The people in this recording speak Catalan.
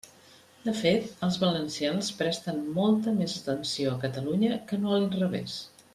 De fet, els valencians presten molta més atenció a Catalunya que no a l'inrevés.